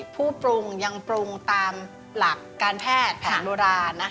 ผู้ปรุงยังปรุงตามหลักการแพทย์แผนโบราณ